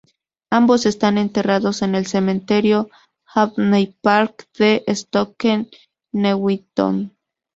Ambos están enterrados en el Cementerio Abney Park de Stoke Newington.